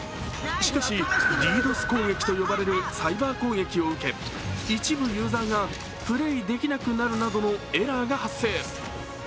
しかし、ＤＤｏＳ攻撃と呼ばれるサイバー攻撃を受け一部ユーザーがプレーできなくなるなとのエラーが発生。